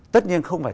tất nhiên không phải